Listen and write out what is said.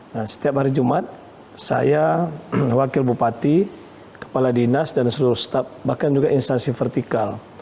nah setiap hari jumat saya wakil bupati kepala dinas dan seluruh staf bahkan juga instansi vertikal